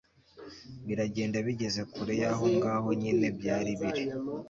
biragenda, bigeze kure y'aho ngaho nyine byari biri